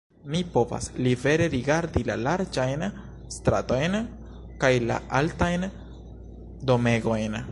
Mi povas libere rigardi la larĝajn stratojn kaj la altajn domegojn.